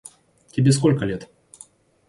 Тебе сколько лет?